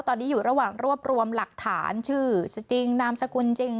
ตอนนี้อยู่ระหว่างรวบรวมหลักฐานชื่อจริงนามสกุลจริง